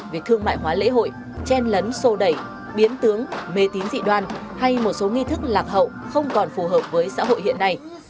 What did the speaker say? việc thương mại hóa lễ hội chen lấn sô đẩy biến tướng mê tín dị đoan hay một số nghi thức lạc hậu không còn phù hợp với xã hội hiện nay